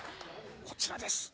こちらです。